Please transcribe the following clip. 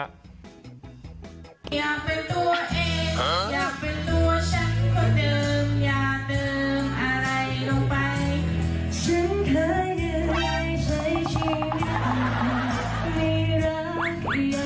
อยากให้พ้นแพ้อยากให้รักชน